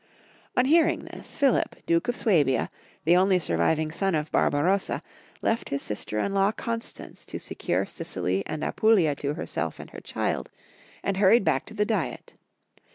On hearing this, Philip, Duke of Swabia, the only surviving son of Barbarossa, left his sister in law Constance to secure Sicily and Apulia to herself and her child, and hurried back to the diet.